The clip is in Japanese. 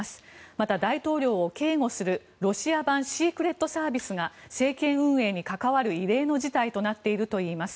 また、大統領を警護するロシア版シークレットサービスが政権運営に関わる異例の事態となっているといいます。